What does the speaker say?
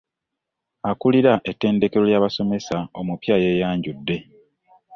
Akulira ettendekero ly'abasomesa omupya yeeyanjudde.